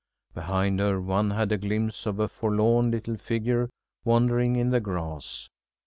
Behind her one had a glimpse of a forlorn little figure wandering in the grass.